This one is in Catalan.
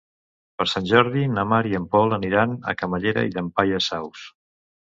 Per Sant Jordi na Mar i en Pol aniran a Camallera i Llampaies Saus.